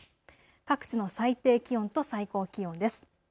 各地の最低気温と最高気温です。